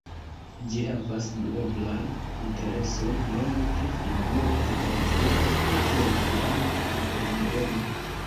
Ĝi havas duoblan intereson, nome pri figuro de pentristo kaj kiel iama nobeldomo.